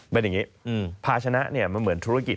เป็นอย่างงี้พาชนะยังเหมือนธุรกิจ